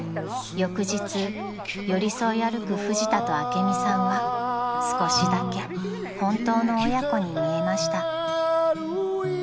［翌日寄り添い歩くフジタと朱美さんは少しだけ本当の親子に見えました］